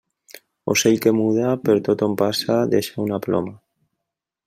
Ocell que muda, per tot on passa deixa una ploma.